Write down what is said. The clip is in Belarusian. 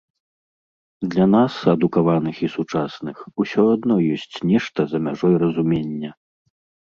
Для нас, адукаваных і сучасных, усё адно ёсць нешта за мяжой разумення.